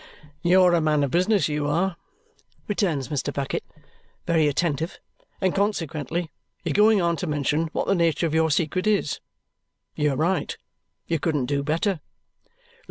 "You're a man of business, you are," returns Mr. Bucket, very attentive, "and consequently you're going on to mention what the nature of your secret is. You are right. You couldn't do better."